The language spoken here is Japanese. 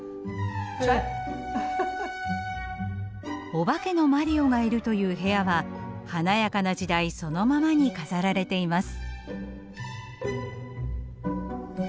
お化けのマリオがいるという部屋は華やかな時代そのままに飾られています。